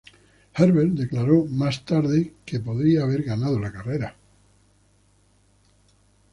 Herbert declaró más tarde "podía haber ganado la carrera".